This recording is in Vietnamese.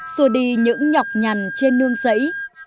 xua đi những nhọc nhằn trên nương giấy